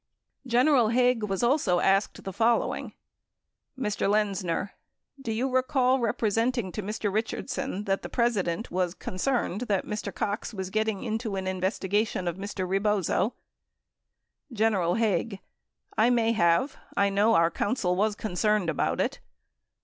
99 General Haig was also asked the following : Mr. Lexzxer. Do you recall representing to Mr. Eichardson that the President was concerned that Mr. ( ox was getting into an investigation of Mr. Eebozo ? General Haig. I may have. I know our counsel was concerned about it.